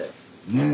ねえ。